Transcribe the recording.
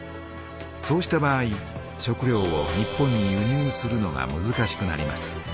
そうした場合食料を日本に輸入するのがむずかしくなります。